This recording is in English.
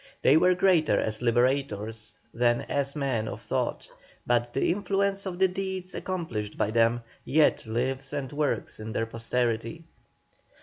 They were greater as liberators than as men of thought, but the influence of the deeds accomplished by them yet lives and works in their posterity.